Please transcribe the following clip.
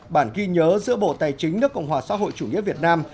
bản ghi nhớ giữa bộ tài chính nước cộng hòa xã hội chủ nghĩa việt nam